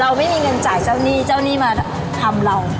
ไม่มีเงินจ่ายเจ้าหนี้เจ้าหนี้มาทำเรา